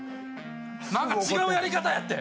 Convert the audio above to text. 何か違うやり方やんて。